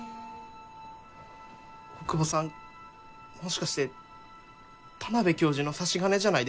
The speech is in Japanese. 大窪さんもしかして田邊教授の差し金じゃないですか？